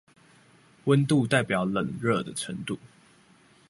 溫度代表冷熱的程度